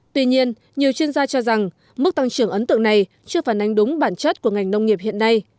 tuy nhiên nhiều chuyên gia cho rằng mức tăng trưởng ấn tượng này chưa phản ánh đúng bản chất của ngành nông nghiệp hiện nay